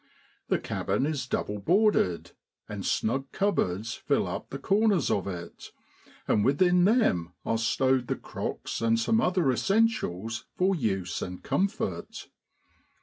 The cabin is double boarded; and snug cupboards fill up the corners of it, and within them are stowed the crocks and some other essentials for use and comfort.